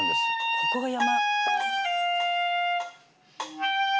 「ここが山」